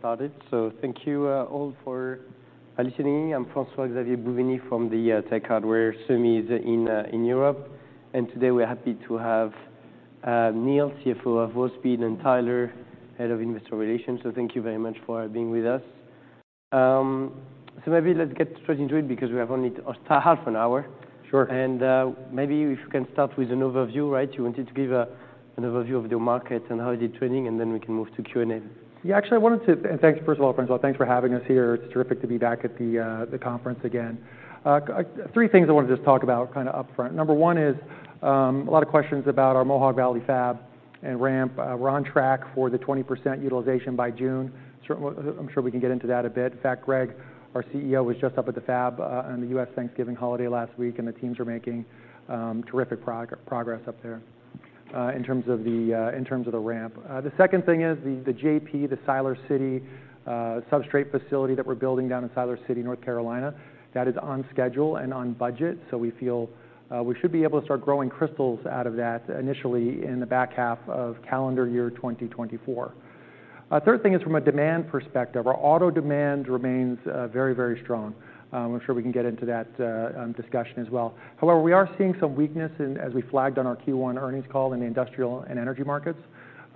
Started. So thank you, all for listening. I'm François-Xavier Bouvignies from the Tech Hardware/Semi in Europe. And today, we're happy to have Neill, CFO of Wolfspeed, and Tyler, Head of Investor Relations. So thank you very much for being with us. So maybe let's get straight into it because we have only half an hour. Sure. Maybe if you can start with an overview, right? You wanted to give an overview of the market and how is it trending, and then we can move to Q&A. Yeah, actually, thanks, first of all, François, thanks for having us here. It's terrific to be back at the conference again. Three things I want to just talk about kind of upfront. Number one is a lot of questions about our Mohawk Valley Fab and ramp. We're on track for 20% utilization by June. I'm sure we can get into that a bit. In fact, Gregg, our CEO, was just up at the fab on the U.S. Thanksgiving holiday last week, and the teams are making terrific progress up there in terms of the ramp. The second thing is the JP, the Siler City substrate facility that we're building down in Siler City, North Carolina, that is on schedule and on budget. So we feel we should be able to start growing crystals out of that initially in the back half of calendar year 2024. Third thing is from a demand perspective, our auto demand remains very, very strong. I'm sure we can get into that discussion as well. However, we are seeing some weakness, as we flagged on our Q1 earnings call, in the industrial and energy markets.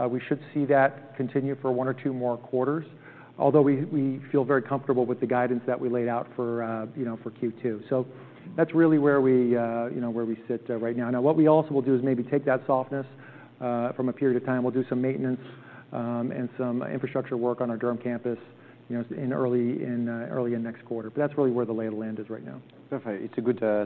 We should see that continue for one or two more quarters, although we feel very comfortable with the guidance that we laid out for you know for Q2. So that's really where we you know where we sit right now. Now, what we also will do is maybe take that softness from a period of time. We'll do some maintenance and some infrastructure work on our Durham campus, you know, early in next quarter. But that's really where the lay of the land is right now. Perfect. It's a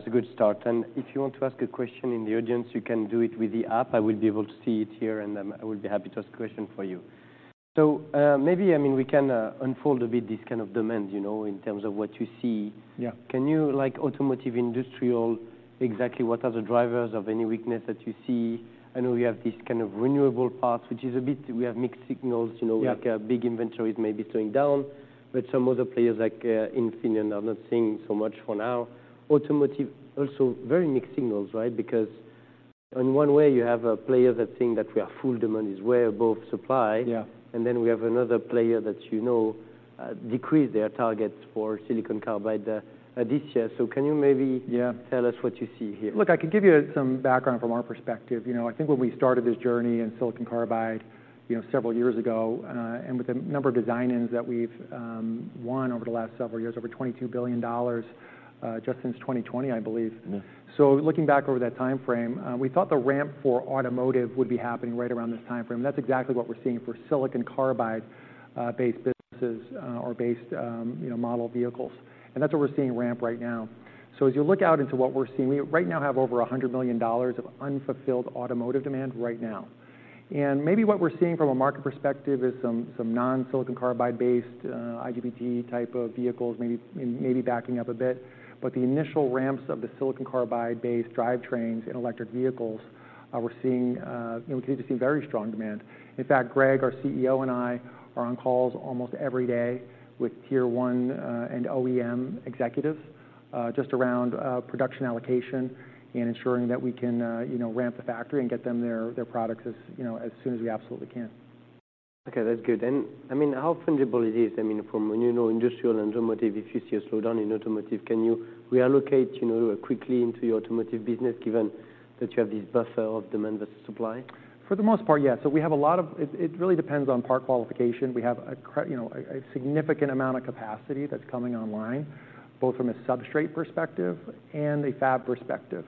good start. And if you want to ask a question in the audience, you can do it with the app. I will be able to see it here, and then I will be happy to ask the question for you. So, maybe, I mean, we can unfold a bit this kind of demand, you know, in terms of what you see. Yeah. Can you, like, automotive, industrial, exactly what are the drivers of any weakness that you see? I know we have this kind of renewable part, which is a bit, we have mixed signals, you know like a big inventory is maybe going down, but some other players, like, Infineon, are not seeing so much for now. Automotive also very mixed signals, right? Because in one way, you have a player that's saying that we are full, demand is way above supply. Yeah. And then we have another player that you know, decreased their targets for silicon carbide, this year. So can you maybe tell us what you see here? Look, I can give you some background from our perspective. You know, I think when we started this journey in silicon carbide, you know, several years ago, and with the number of design-ins that we've won over the last several years, over $22 billion, just since 2020, I believe. So looking back over that time frame, we thought the ramp for automotive would be happening right around this time frame. That's exactly what we're seeing for silicon carbide, based businesses, or based, you know, model vehicles. And that's what we're seeing ramp right now. So as you look out into what we're seeing, we right now have over $100 million of unfulfilled automotive demand right now. And maybe what we're seeing from a market perspective is some, some non-silicon carbide-based, IGBT type of vehicles, maybe, maybe backing up a bit. But the initial ramps of the silicon carbide-based drivetrains in electric vehicles, we're seeing, you know, we continue to see very strong demand. In fact, Gregg, our CEO, and I are on calls almost every day with Tier 1, and OEM executives, just around, production allocation and ensuring that we can, you know, ramp the factory and get them their, their products as, you know, as soon as we absolutely can. Okay, that's good. I mean, how fungible it is? I mean, from, you know, industrial and automotive, if you see a slowdown in automotive, can you reallocate, you know, quickly into the automotive business, given that you have this buffer of demand versus supply? For the most part, yes. So we have a lot of... It really depends on part qualification. We have, you know, a significant amount of capacity that's coming online, both from a substrate perspective and a fab perspective.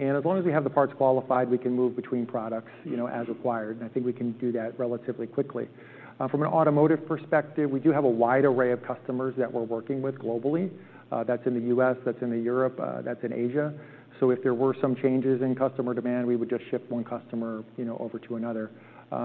And as long as we have the parts qualified, we can move between products, you know, as required. I think we can do that relatively quickly. From an automotive perspective, we do have a wide array of customers that we're working with globally, that's in the U.S., that's in Europe, that's in Asia. So if there were some changes in customer demand, we would just ship one customer, you know, over to another.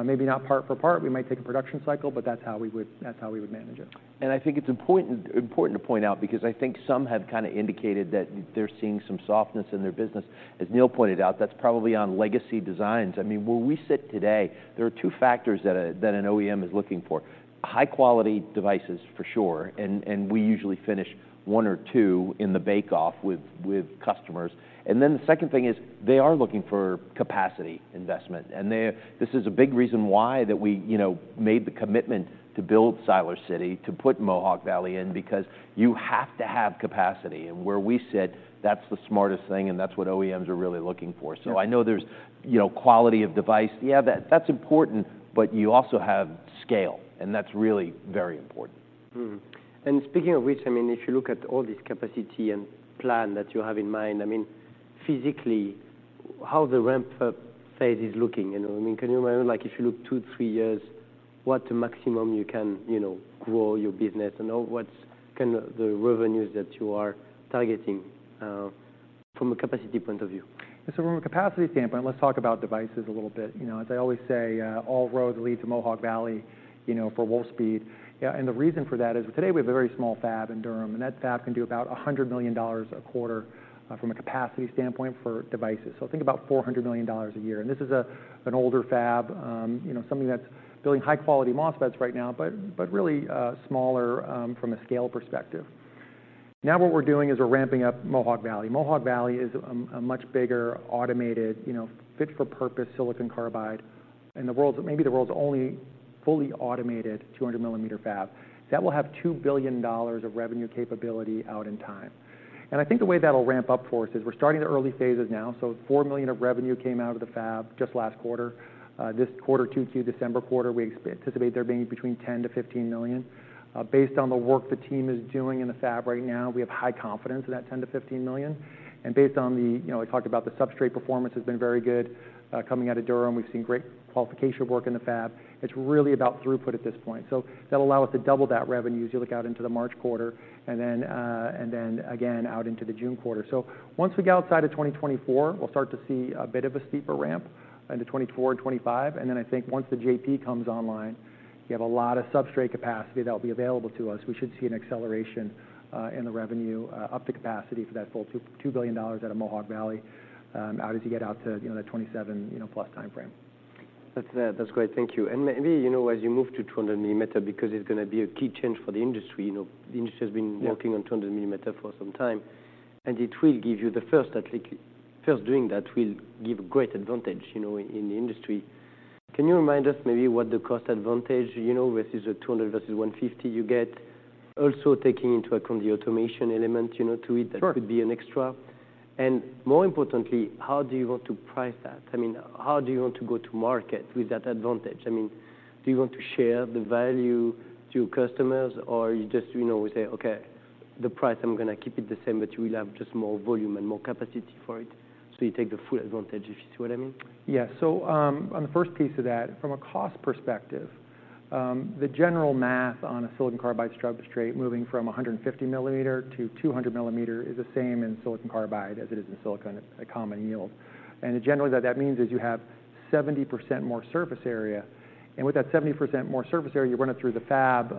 Maybe not part for part, we might take a production cycle, but that's how we would, that's how we would manage it. I think it's important, important to point out, because I think some have kind of indicated that they're seeing some softness in their business. As Neill pointed out, that's probably on legacy designs. I mean, where we sit today, there are two factors that an OEM is looking for: high quality devices, for sure, and, and we usually finish one or two in the bake-off with, with customers. Then the second thing is, they are looking for capacity investment, and they... This is a big reason why that we, you know, made the commitment to build Siler City, to put Mohawk Valley in, because you have to have capacity. And where we sit, that's the smartest thing, and that's what OEMs are really looking for. I know there's, you know, quality of device. Yeah, that's important, but you also have scale, and that's really very important. And speaking of which, I mean, if you look at all this capacity and plan that you have in mind, I mean, physically, how the ramp up phase is looking? You know, I mean, can you imagine, like, if you look two, three years, what the maximum you can, you know, grow your business and all, what's kind of the revenues that you are targeting from a capacity point of view? So from a capacity standpoint, let's talk about devices a little bit. You know, as I always say, all roads lead to Mohawk Valley, you know, for Wolfspeed. And the reason for that is today we have a very small fab in Durham, and that fab can do about $100 million a quarter, from a capacity standpoint for devices. So think about $400 million a year. And this is a, an older fab, you know, something that's building high quality MOSFETs right now, but really, smaller, from a scale perspective. Now what we're doing is we're ramping up Mohawk Valley. Mohawk Valley is a, a much bigger, automated, you know, fit-for-purpose silicon carbide, and the world's, maybe the world's only fully automated 200 millimeter fab. That will have $2 billion of revenue capability out in time. I think the way that'll ramp up for us is we're starting the early phases now, so $4 million of revenue came out of the fab just last quarter. This quarter, two through December quarter, we anticipate there being between $10-$15 million. Based on the work the team is doing in the fab right now, we have high confidence in that $10-$15 million. And based on the, you know, I talked about the substrate performance has been very good, coming out of Durham. We've seen great qualification work in the fab. It's really about throughput at this point. So that'll allow us to double that revenue as you look out into the March quarter and then, and then again out into the June quarter. So once we get outside of 2024, we'll start to see a bit of a steeper ramp into 2024 and 2025. And then I think once the JP comes online, you have a lot of substrate capacity that will be available to us. We should see an acceleration in the revenue up to capacity for that full $2.2 billion out of Mohawk Valley as you get out to, you know, the 2027+ timeframe. That's, that's great. Thank you. And maybe, you know, as you move to 200 millimeter, because it's gonna be a key change for the industry, you know, the industry has been- Yeah working on 200 millimeter for some time, and it will give you the first at it—first doing that will give great advantage, you know, in, in the industry. Can you remind us maybe what the cost advantage, you know, versus a 200 versus 150 you get, also taking into account the automation element, you know, to it that could be an extra. And more importantly, how do you want to price that? I mean, how do you want to go to market with that advantage? I mean, do you want to share the value to your customers, or you just, you know, say, "Okay, the price, I'm gonna keep it the same, but you will have just more volume and more capacity for it," so you take the full advantage, if you see what I mean? Yeah. So, on the first piece of that, from a cost perspective, the general math on a silicon carbide substrate moving from 150 millimeter to 200 millimeter is the same in silicon carbide as it is in silicon. It's a common yield. And generally, what that means is you have 70% more surface area, and with that 70% more surface area, you run it through the fab,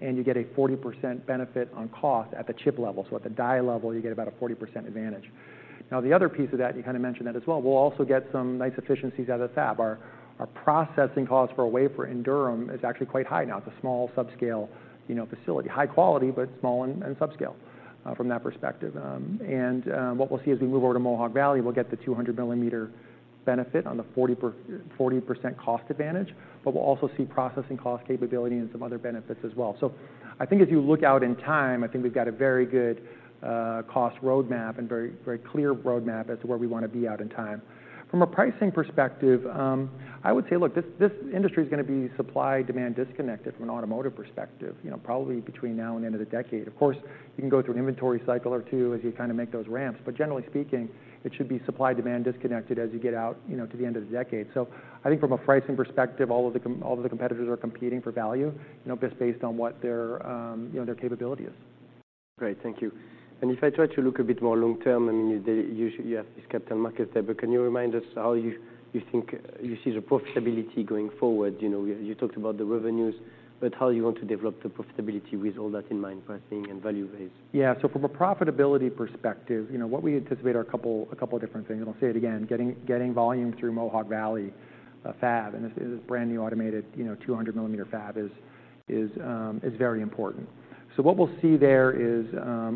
and you get a 40% benefit on cost at the chip level. So at the die level, you get about a 40% advantage. Now, the other piece of that, you kind of mentioned that as well, we'll also get some nice efficiencies out of the fab. Our processing costs for a wafer in Durham is actually quite high. Now, it's a small subscale, you know, facility. High quality, but small and subscale, from that perspective. What we'll see as we move over to Mohawk Valley, we'll get the 200 millimeter benefit on the 40% cost advantage, but we'll also see processing cost capability and some other benefits as well. So I think if you look out in time, I think we've got a very good cost roadmap and very, very clear roadmap as to where we want to be out in time. From a pricing perspective, I would say, look, this industry is gonna be supply-demand disconnected from an automotive perspective, you know, probably between now and the end of the decade. Of course, you can go through an inventory cycle or two as you kind of make those ramps, but generally speaking, it should be supply-demand disconnected as you get out, you know, to the end of the decade. So I think from a pricing perspective, all of the competitors are competing for value, you know, just based on what their, you know, their capability is. Great. Thank you. And if I try to look a bit more long term, I mean, you usually have this capital market there, but can you remind us how you think you see the profitability going forward? You know, you talked about the revenues, but how you want to develop the profitability with all that in mind, pricing and value base? Yeah. So from a profitability perspective, you know, what we anticipate are a couple of different things. And I'll say it again, getting volume through Mohawk Valley Fab, and this is a brand-new automated you know, 200 millimeter fab, is very important. So what we'll see there is,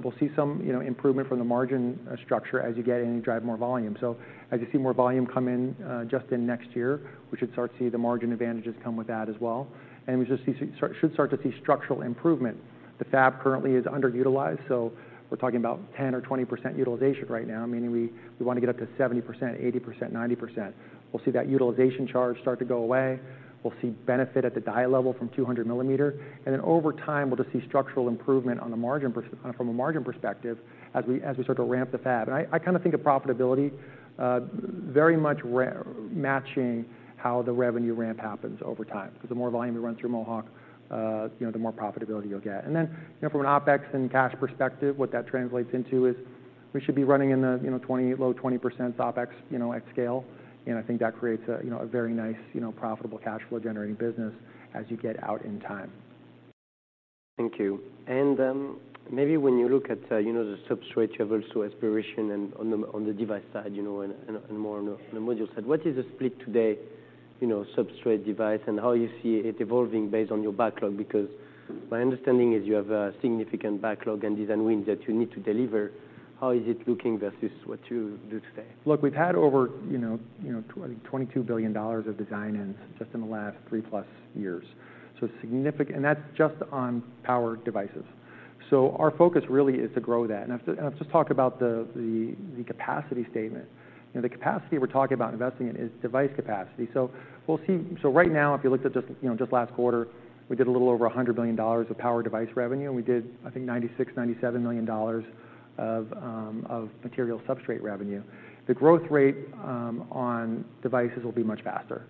we'll see some, you know, improvement from the margin structure as you get in and drive more volume. So as you see more volume come in, just in next year, we should start to see the margin advantages come with that as well. And we should start to see structural improvement. The fab currently is underutilized, so we're talking about 10% or 20% utilization right now, meaning we want to get up to 70%, 80%, 90%. We'll see that utilization charge start to go away. We'll see benefit at the die level from 200 millimeter, and then over time, we'll just see structural improvement on the margin perspective, as we, as we start to ramp the fab. And I, I kind of think of profitability, very much matching how the revenue ramp happens over time. Because the more volume we run through Mohawk, you know, the more profitability you'll get. And then, you know, from an OpEx and cash perspective, what that translates into is we should be running in the, you know, 20, low 20% OpEx, you know, at scale. And I think that creates a, you know, a very nice, you know, profitable cash flow generating business as you get out in time. Thank you. Maybe when you look at, you know, the substrate, you have aspirations also on the device side, you know, and more on the module side. What is the split today, you know, substrate device, and how you see it evolving based on your backlog? Because my understanding is you have a significant backlog and design wins that you need to deliver. How is it looking versus what you do today? Look, we've had over, you know, $22 billion of design wins just in the last three plus years. So significant. And that's just on power devices. So our focus really is to grow that. And I've just talked about the capacity statement. You know, the capacity we're talking about investing in is device capacity. So we'll see. So right now, if you looked at just, you know, just last quarter, we did a little over $100 billion of power device revenue, and we did, I think, $96-$97 million of material substrate revenue. The growth rate on devices will be much faster.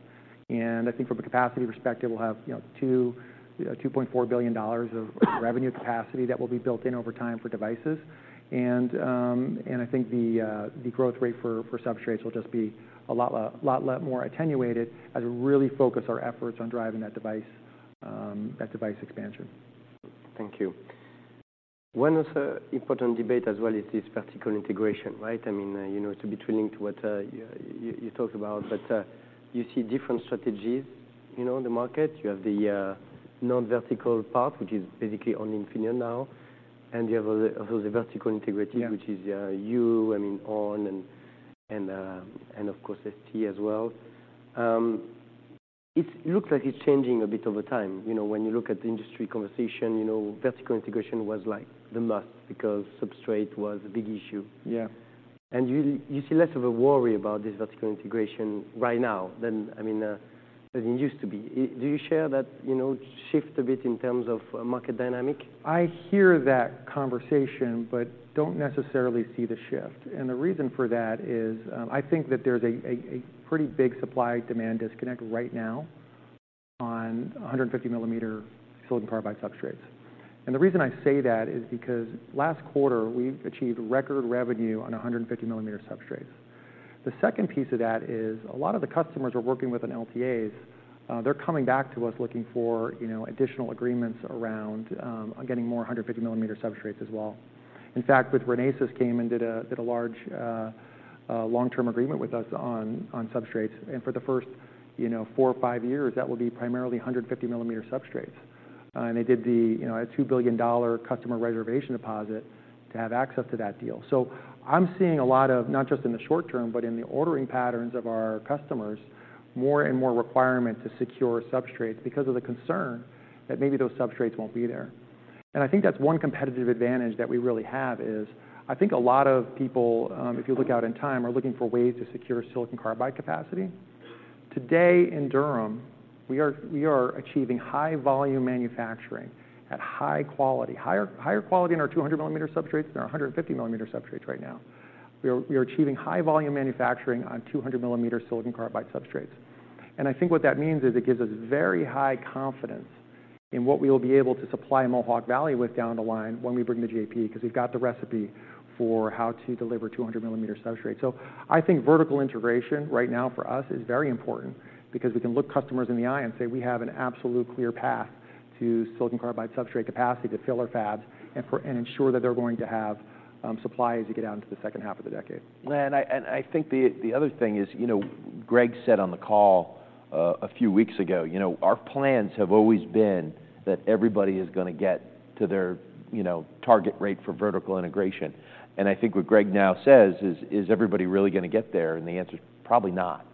And I think from a capacity perspective, we'll have, you know, $2.4 billion of revenue capacity that will be built in over time for devices. I think the growth rate for substrates will just be a lot, lot, lot more attenuated as we really focus our efforts on driving that device expansion. Thank you. One of the important debate as well is this vertical integration, right? I mean, you know, to link to what you talked about, but you see different strategies. You know, the market, you have the non-vertical part, which is basically on Infineon now, and you have all of the vertical integrated which is, I mean, ON and of course, ST as well. It looks like it's changing a bit over time. You know, when you look at the industry conversation, you know, vertical integration was like the must because substrate was a big issue. Yeah. You, you see less of a worry about this vertical integration right now than, I mean, than it used to be. Do you share that, you know, shift a bit in terms of market dynamic? I hear that conversation, but don't necessarily see the shift. The reason for that is, I think that there's a pretty big supply-demand disconnect right now on 150 millimeter silicon carbide substrates. The reason I say that is because last quarter, we've achieved record revenue on 150 millimeter substrates. The second piece of that is, a lot of the customers are working with an LTAs. They're coming back to us looking for, you know, additional agreements around on getting more 150 millimeter substrates as well. In fact, with Renesas came and did a large long-term agreement with us on substrates, and for the first, you know, four or five years, that will be primarily 150 millimeter substrates. And they did the, you know, a $2 billion customer reservation deposit to have access to that deal. So I'm seeing a lot of, not just in the short term, but in the ordering patterns of our customers, more and more requirement to secure substrates because of the concern that maybe those substrates won't be there. And I think that's one competitive advantage that we really have, is, I think a lot of people, if you look out in time, are looking for ways to secure silicon carbide capacity. Today, in Durham, we are, we are achieving high volume manufacturing at high quality, higher, higher quality in our 200 millimeter substrates and our 150 millimeter substrates right now. We are, we are achieving high volume manufacturing on 200 millimeter silicon carbide substrates. I think what that means is it gives us very high confidence in what we will be able to supply Mohawk Valley with down the line when we bring the JP, because we've got the recipe for how to deliver 200 millimeter substrates. So I think vertical integration right now, for us, is very important because we can look customers in the eye and say, "We have an absolute clear path to silicon carbide substrate capacity to fill our fabs, and ensure that they're going to have supply as you get out into the second half of the decade. And I think the other thing is, you know, Gregg said on the call a few weeks ago, you know, our plans have always been that everybody is gonna get to their, you know, target rate for vertical integration. And I think what Gregg now says is: Is everybody really gonna get there? And the answer is, probably not.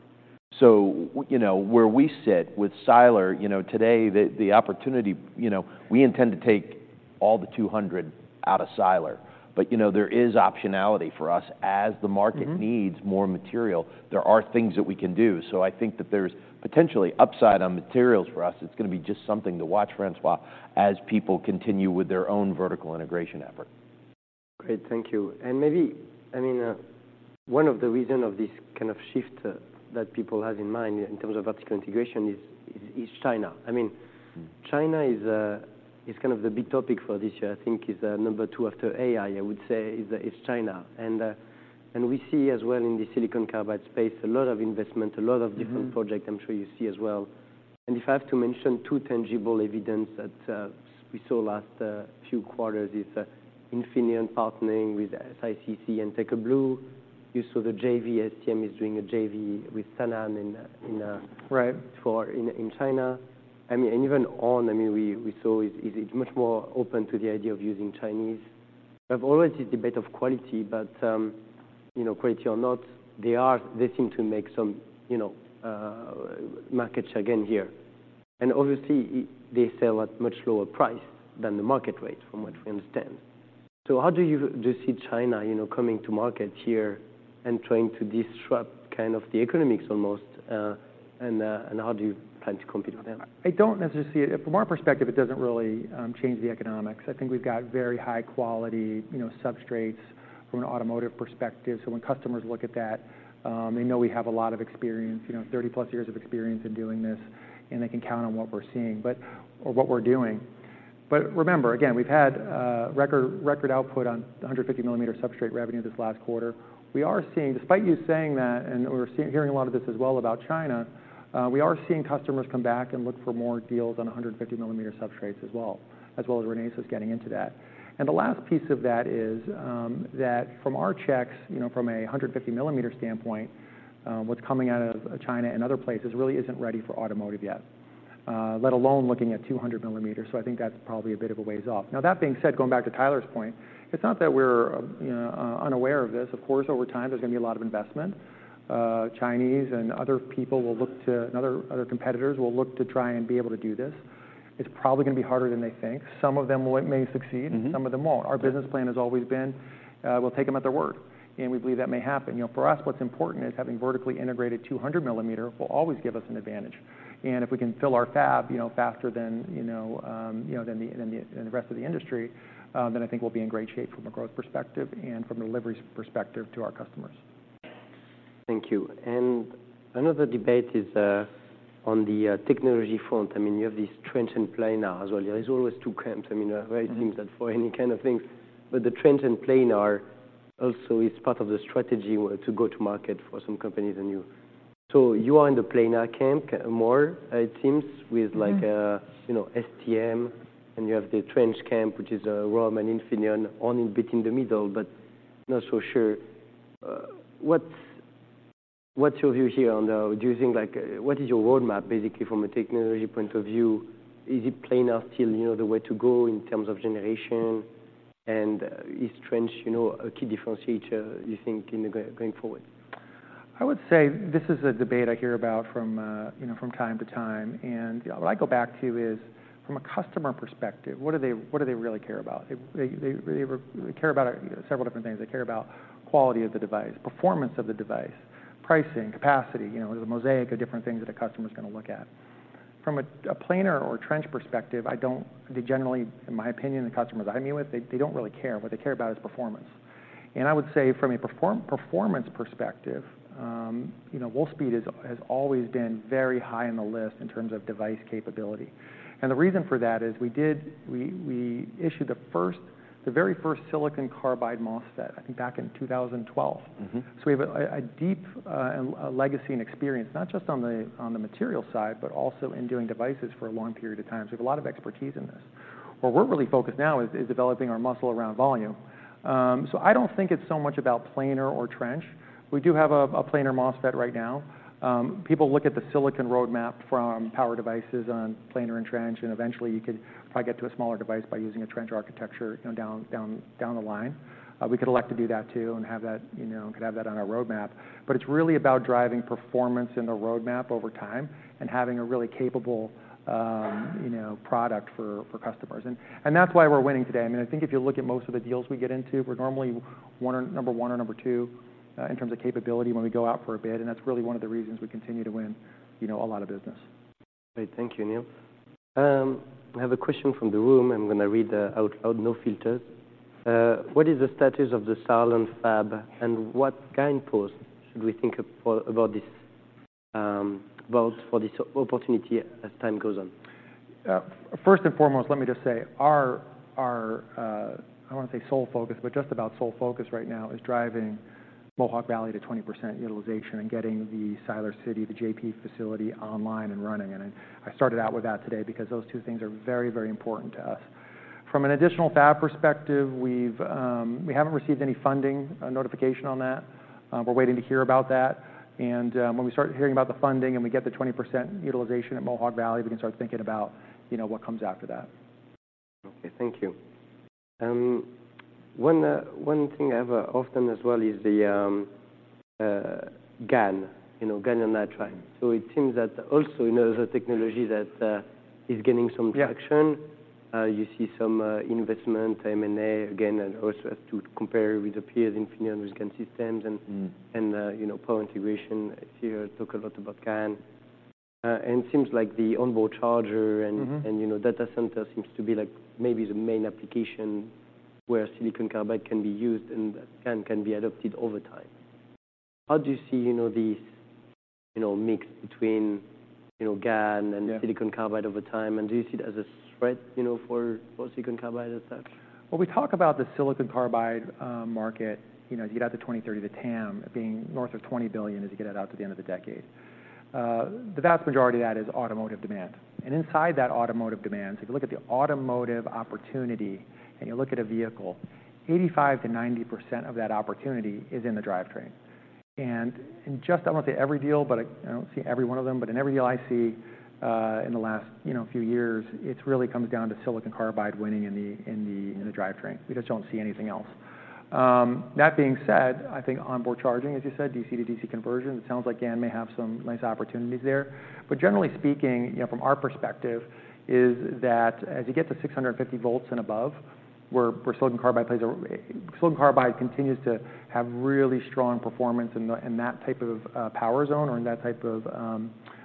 So, you know, where we sit with Siler, you know, today, the opportunity, you know, we intend to take all the 200 out of Siler. But, you know, there is optionality for us. As the market needs more material, there are things that we can do. So I think that there's potentially upside on materials for us. It's gonna be just something to watch, François, as people continue with their own vertical integration effort. Great, thank you. And maybe, I mean, one of the reason of this kind of shift that people have in mind in terms of vertical integration is China. I mean, China is kind of the big topic for this year. I think is number two after AI, I would say, is China. And, and we see as well in the silicon carbide space, a lot of investment, a lot of different projects, I'm sure you see as well. And if I have to mention two tangible evidence that, we saw last, few quarters is, Infineon partnering with SICC and TanKeBlue. You saw the JV, STM is doing a JV with Sanan in for in China. Right I mean, and even ON, I mean, we saw is much more open to the idea of using Chinese. We have always a debate of quality, but, you know, quality or not, they seem to make some, you know, market share again here. And obviously, they sell at much lower price than the market rate, from what we understand. So how do you just see China, you know, coming to market here and trying to disrupt kind of the economics almost, and how do you plan to compete with them? I don't necessarily see it. From our perspective, it doesn't really change the economics. I think we've got very high quality, you know, substrates from an automotive perspective. So when customers look at that, they know we have a lot of experience, you know, 30+ years of experience in doing this, and they can count on what we're seeing, but or what we're doing. But remember, again, we've had record output on the 150 millimeter substrate revenue this last quarter. We are seeing, despite you saying that, and we're hearing a lot of this as well about China, we are seeing customers come back and look for more deals on 150 millimeter substrates as well, as well as Renesas getting into that. The last piece of that is, that from our checks, you know, from a 150 millimeter standpoint, what's coming out of China and other places really isn't ready for automotive yet, let alone looking at 200 millimeters. I think that's probably a bit of a ways off. Now, that being said, going back to Tyler's point, it's not that we're, you know, unaware of this. Of course, over time, there's going to be a lot of investment. Chinese and other people will look to, and other competitors, will look to try and be able to do this. It's probably gonna be harder than they think. Some of them may succeed some of them won't. Our business plan has always been, we'll take them at their word, and we believe that may happen. You know, for us, what's important is having vertically integrated 200 millimeter will always give us an advantage. If we can fill our fab, you know, faster than, you know, you know, than the rest of the industry, then I think we'll be in great shape from a growth perspective and from a delivery perspective to our customers. Thank you. Another debate is on the technology front. I mean, you have these trench and planar as well. There is always two camps, I mean, where it seems that for any kind of things, but the trench and planar also is part of the strategy to go to market for some companies and you. So you are in the planar camp more, it seems, with like, you know, STM, and you have the trench camp, which is Rohm and Infineon, ON in between the middle, but not so sure. What's your view here on the—do you think, like, what is your roadmap, basically, from a technology point of view? Is it planar enough still, you know, the way to go in terms of generation? Is trench, you know, a key differentiator, you think, in the going forward? I would say this is a debate I hear about from, you know, from time to time. And, you know, what I go back to is, from a customer perspective, what do they, what do they really care about? They care about several different things. They care about quality of the device, performance of the device, pricing, capacity, you know, the mosaic of different things that a customer's gonna look at. From a planar or trench perspective, I don't. They generally, in my opinion, the customers I meet with, they don't really care. What they care about is performance. And I would say from a performance perspective, you know, Wolfspeed has always been very high on the list in terms of device capability. The reason for that is we issued the first, the very first silicon carbide MOSFET, I think, back in 2012. So we have a deep legacy and experience, not just on the material side, but also in doing devices for a long period of time. So we have a lot of expertise in this. Where we're really focused now is developing our muscle around volume. So I don't think it's so much about planar or trench. We do have a planar MOSFET right now. People look at the silicon roadmap from power devices on planar and trench, and eventually you could probably get to a smaller device by using a trench architecture, you know, down the line. We could elect to do that too, and have that, you know, could have that on our roadmap. But it's really about driving performance in the roadmap over time and having a really capable, you know, product for customers. That's why we're winning today. I mean, I think if you look at most of the deals we get into, we're normally one or number one or number two in terms of capability when we go out for a bid, and that's really one of the reasons we continue to win, you know, a lot of business. Great. Thank you, Neil. I have a question from the room, and I'm gonna read out loud, no filters. What is the status of the Siler fab, and what guideposts should we think of for this opportunity as time goes on? First and foremost, let me just say, our I don't want to say sole focus, but just about sole focus right now is driving Mohawk Valley to 20% utilization and getting the Siler City, the JP facility, online and running. I started out with that today because those two things are very, very important to us. From an additional fab perspective, we haven't received any funding, a notification on that. We're waiting to hear about that. When we start hearing about the funding and we get the 20% utilization at Mohawk Valley, we can start thinking about, you know, what comes after that. Okay, thank you. One thing I have often as well is the GaN, you know, gallium nitride. So it seems that also, you know, the technology that is gaining some traction. You see some investment, M&A, again, and also as to compare with the peers in GaN Systems and and, you know, Power Integrations. I see you talk a lot about GaN. And it seems like the onboard charger and, you know, data center seems to be, like, maybe the main application where silicon carbide can be used and GaN can be adopted over time. How do you see, you know, this, you know, mix between, you know, GaN and silicon carbide over time? And do you see it as a threat, you know, for silicon carbide as such? When we talk about the silicon carbide market, you know, as you get out to 2030, the TAM being north of $20 billion as you get it out to the end of the decade, the vast majority of that is automotive demand. And inside that automotive demand, if you look at the automotive opportunity and you look at a vehicle, 85%-90% of that opportunity is in the drivetrain. And in just, I won't say every deal, but I—I don't see every one of them, but in every deal I see, in the last, you know, few years, it's really comes down to silicon carbide winning in the drivetrain. We just don't see anything else. That being said, I think onboard charging, as you said, DC to DC conversion, it sounds like GaN may have some nice opportunities there. But generally speaking, you know, from our perspective, is that as you get to 650 volts and above, silicon carbide continues to have really strong performance in that type of power zone or in that type of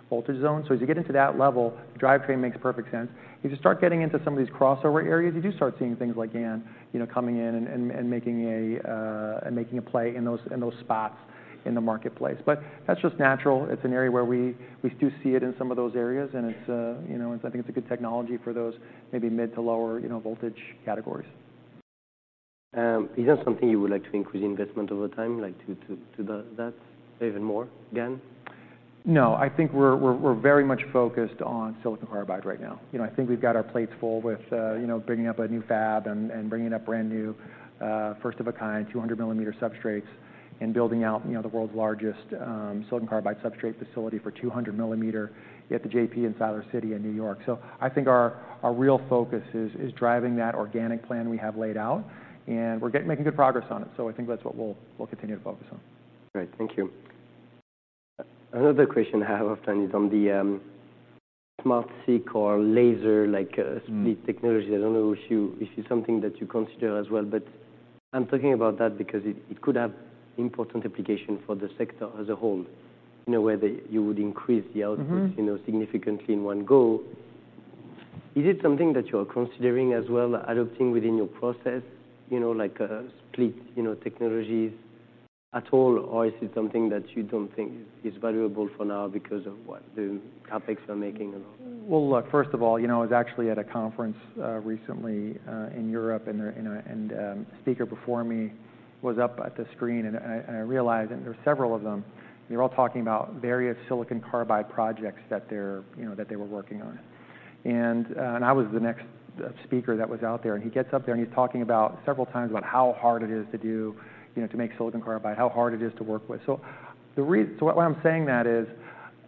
voltage zone. So as you get into that level, the drivetrain makes perfect sense. If you start getting into some of these crossover areas, you do start seeing things like GaN, you know, coming in and making a play in those spots in the marketplace. But that's just natural. It's an area where we do see it in some of those areas, and it's, you know, I think it's a good technology for those maybe mid to lower, you know, voltage categories. Is that something you would like to increase investment over time, like, to that even more GaN? No, I think we're very much focused on silicon carbide right now. You know, I think we've got our plates full with, you know, bringing up a new fab and bringing up brand-new, first-of-a-kind, 200 millimeter substrates, and building out, you know, the world's largest silicon carbide substrate facility for 200 millimeter at the JP in Siler City, North Carolina. So I think our real focus is driving that organic plan we have laid out, and we're making good progress on it. So I think that's what we'll continue to focus on. Great, thank you. Another question I have often is on the, Smart Cut or laser, like split technology. I don't know if you, if it's something that you consider as well, but I'm talking about that because it, it could have important application for the sector as a whole. You know, where the- you would increase the output you know, significantly in one go. Is it something that you are considering as well, adopting within your process, you know, like, split, you know, technologies at all? Or is it something that you don't think is valuable for now because of what the CapEx are making and all? Well, look, first of all, you know, I was actually at a conference recently in Europe, and a speaker before me was up at the screen, and I realized, and there were several of them, they were all talking about various silicon carbide projects that they're, you know, that they were working on.... And I was the next speaker that was out there, and he gets up there, and he's talking about several times about how hard it is to do, you know, to make silicon carbide, how hard it is to work with. So why I'm saying that is,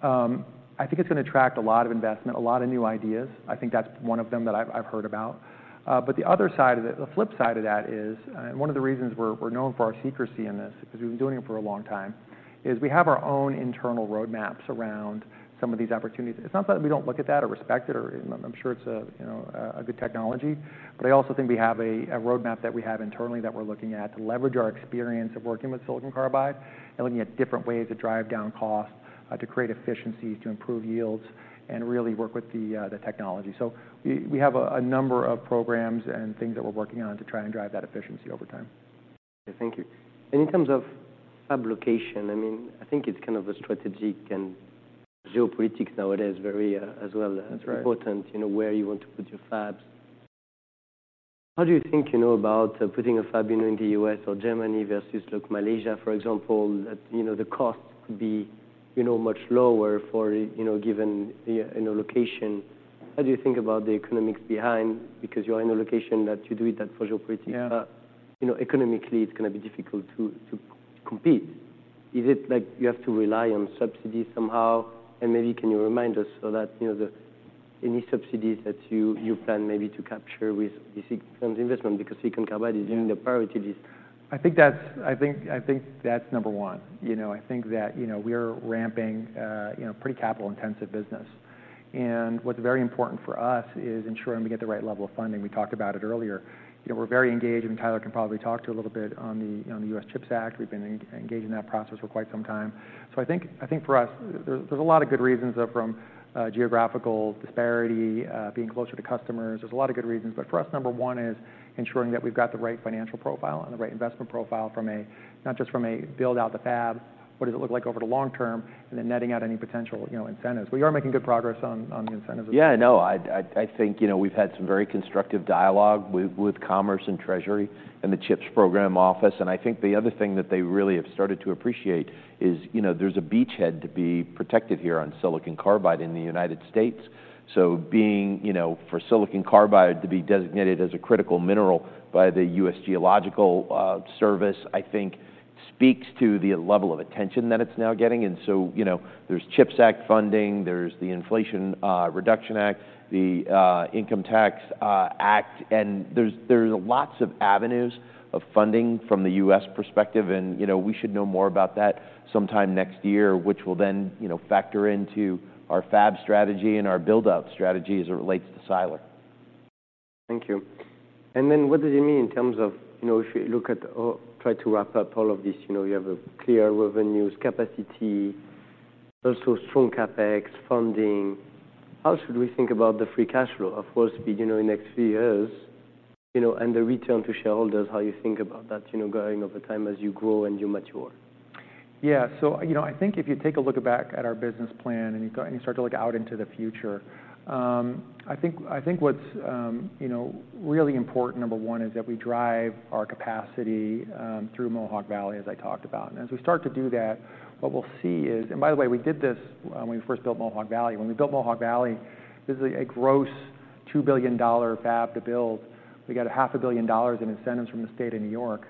I think it's going to attract a lot of investment, a lot of new ideas. I think that's one of them that I've heard about. But the other side of it, the flip side of that is, and one of the reasons we're known for our secrecy in this, because we've been doing it for a long time, is we have our own internal roadmaps around some of these opportunities. It's not that we don't look at that or respect it, or I'm sure it's a, you know, a good technology, but I also think we have a roadmap that we have internally that we're looking at to leverage our experience of working with silicon carbide and looking at different ways to drive down costs, to create efficiencies, to improve yields, and really work with the technology. So we have a number of programs and things that we're working on to try and drive that efficiency over time. Thank you. In terms of fab location, I mean, I think it's kind of a strategic and geopolitics nowadays, very, as well important, you know, where you want to put your fabs. That's right How do you think, you know, about putting a fab, you know, in the U.S. or Germany versus, like, Malaysia, for example, that, you know, the costs could be, you know, much lower for a, you know, given the, you know, location? How do you think about the economics behind - because you're in a location that you do it, that geopolitics. You know, economically, it's gonna be difficult to compete. Is it like you have to rely on subsidies somehow? And maybe can you remind us so that, you know, any subsidies that you plan maybe to capture with this investment? Because silicon carbide is one of the priorities. I think that's number one. You know, I think that, you know, we're ramping pretty capital-intensive business. And what's very important for us is ensuring we get the right level of funding. We talked about it earlier. You know, we're very engaged, and Tyler can probably talk to you a little bit on the CHIPS Act. We've been engaged in that process for quite some time. So I think for us, there's a lot of good reasons from geographical disparity, being closer to customers. There's a lot of good reasons. But for us, number one is ensuring that we've got the right financial profile and the right investment profile from a, not just from a build out the fab, what does it look like over the long term, and then netting out any potential, you know, incentives. We are making good progress on the incentives. Yeah, no, I think, you know, we've had some very constructive dialogue with Commerce and Treasury and the CHIPS Program Office. And I think the other thing that they really have started to appreciate is, you know, there's a beachhead to be protected here on silicon carbide in the United States. So, you know, for silicon carbide to be designated as a critical mineral by the U.S. Geological Survey, I think speaks to the level of attention that it's now getting. And so, you know, there's CHIPS Act funding, there's the Inflation Reduction Act, the Income Tax Act, and there's lots of avenues of funding from the U.S. perspective. And, you know, we should know more about that sometime next year, which will then, you know, factor into our fab strategy and our build-out strategy as it relates to Siler. Thank you. Then what does it mean in terms of, you know, if you look at or try to wrap up all of this, you know, you have a clear revenues capacity, also strong CapEx funding. How should we think about the free cash flow of Wolfspeed, you know, in the next few years, you know, and the return to shareholders, how you think about that, you know, going over time as you grow and you mature? Yeah. So, you know, I think if you take a look back at our business plan and you start to look out into the future, I think what's, you know, really important, number one, is that we drive our capacity through Mohawk Valley, as I talked about. And as we start to do that, what we'll see is... And by the way, we did this when we first built Mohawk Valley. When we built Mohawk Valley, this is a gross $2 billion fab to build. We got $500 million in incentives from the State of New York,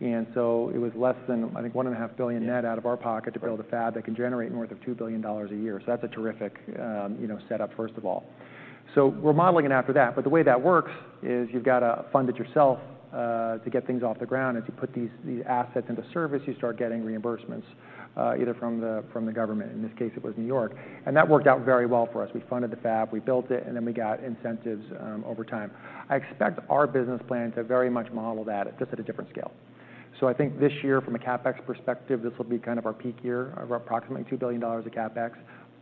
and so it was less than, I think, $1.5 billion net out of our pocket to build a fab that can generate north of $2 billion a year. So that's a terrific, you know, setup, first of all. So we're modeling it after that, but the way that works is you've got to fund it yourself, to get things off the ground. As you put these assets into service, you start getting reimbursements, either from the, from the government, in this case, it was New York, and that worked out very well for us. We funded the fab, we built it, and then we got incentives, over time. I expect our business plan to very much model that, just at a different scale. So I think this year, from a CapEx perspective, this will be kind of our peak year of approximately $2 billion of CapEx.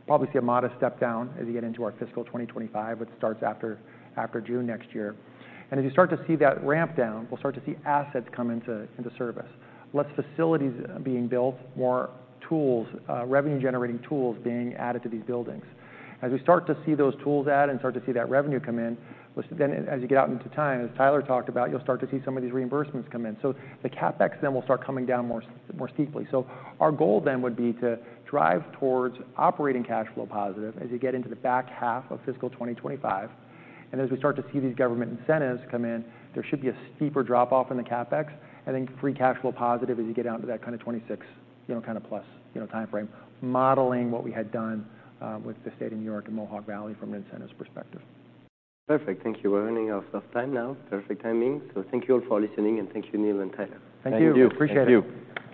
Probably see a modest step down as you get into our fiscal 2025, which starts after June next year. As you start to see that ramp down, we'll start to see assets come into service. Less facilities being built, more tools, revenue-generating tools being added to these buildings. As we start to see those tools add and start to see that revenue come in, which then as you get out into time, as Tyler talked about, you'll start to see some of these reimbursements come in. So the CapEx then will start coming down more, more steeply. Our goal then would be to drive towards operating cash flow positive as you get into the back half of fiscal 2025. As we start to see these government incentives come in, there should be a steeper drop-off in the CapEx, and then free cash flow positive as you get out into that kind of 2026, you know, kind of plus, you know, timeframe, modeling what we had done with the State of New York and Mohawk Valley from an incentives perspective. Perfect. Thank you. We're running out of time now. Perfect timing. Thank you all for listening, and thank you, Neil and Tyler. Thank you. Thank you. Appreciate it.